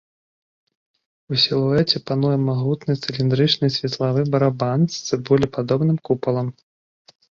У сілуэце пануе магутны цыліндрычны светлавы барабан з цыбулепадобным купалам.